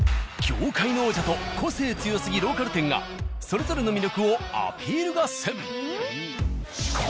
業界の王者と個性強すぎローカル店がそれぞれの魅力をアピール合戦！